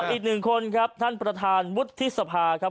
อีกหนึ่งคนครับท่านประธานวุฒิสภาครับ